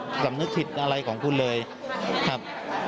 สำนึกผิดอะไรของคุณเลยครับ